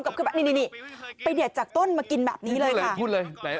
มันขึ้นขนาดนั้นเลยหรือ